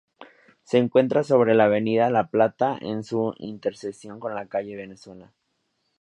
Se encuentra sobre la Avenida La Plata en su intersección con la calle Venezuela.